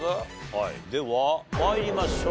では参りましょう。